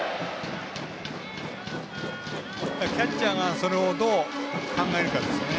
キャッチャーがそれをどう考えるかですね。